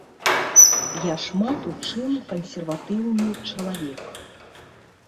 Я шмат у чым кансерватыўны чалавек.